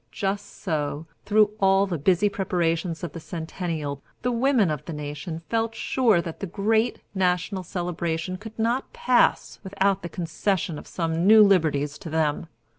Just so through all the busy preparations of the Centennial, the women of the nation felt sure that the great national celebration could not pass without the concession of some new liberties to them.